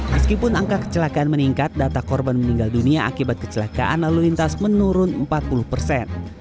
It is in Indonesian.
meskipun angka kecelakaan meningkat data korban meninggal dunia akibat kecelakaan lalu lintas menurun empat puluh persen